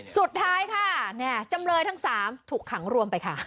สุดท้ายค่ะจำเลยทั้ง๓ถูกขังรวมไปค่ะ